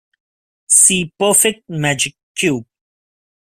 See Perfect magic cube.